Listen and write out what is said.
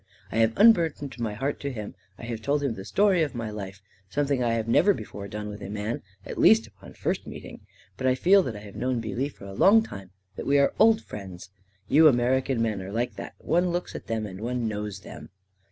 " I have unburdened my heart to him — I have told him the story of my life — something I have never before done with a man — at least upon first meeting him ! But I feel that I have known Beelee for a long time — that we are old friends. You American men are like that — one looks at them, and one knows them."